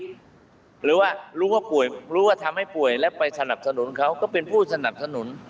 หรือว่ารู้ว่าป่วยรู้ว่าทำให้ป่วยแล้วไปสนับสนุนเขาก็เป็นผู้สนับสนุน